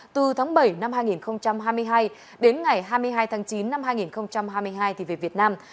từ tháng bảy năm hai nghìn hai mươi hai đến ngày hai mươi hai tháng chín năm hai nghìn hai mươi hai về việt nam